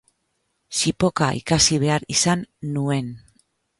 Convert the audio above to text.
Zipoka ikasi behar izan nuen.